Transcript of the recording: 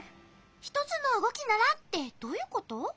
「ひとつのうごきなら」ってどういうこと？